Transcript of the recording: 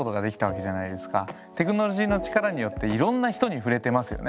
テクノロジーの力によっていろんな人に触れてますよね。